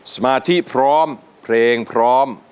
สมาธิพร้อมเพลงพร้อม